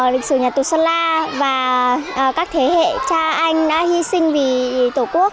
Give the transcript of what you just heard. lịch sử nhà tù sơn la và các thế hệ cha anh đã hy sinh vì tổ quốc